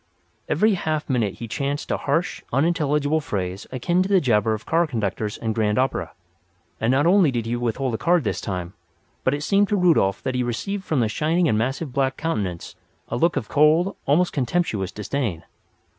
Every half minute he chanted a harsh, unintelligible phrase akin to the jabber of car conductors and grand opera. And not only did he withhold a card this time, but it seemed to Rudolf that he received from the shining and massive black countenance a look of cold, almost contemptuous disdain.